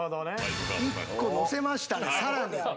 １個乗せましたね更に。